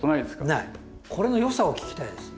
これのよさを聞きたいです。